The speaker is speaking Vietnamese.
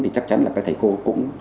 thì chắc chắn là các thầy cô cũng